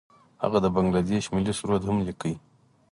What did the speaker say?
هغه د بنګله دیش ملي سرود هم لیکلی.